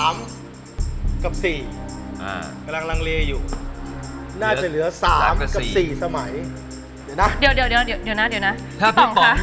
ไม่มีที่ไม่มีน้อง